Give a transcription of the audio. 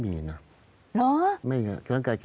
ไม่มีเนี่ย